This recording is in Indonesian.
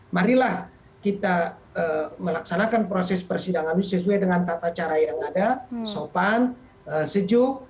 marilah kita melaksanakan proses persidangan ini sesuai dengan tata cara yang ada sopan sejuk